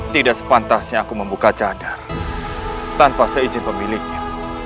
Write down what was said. tidak sepantasnya aku membuka cadar tanpa seizin pemiliknya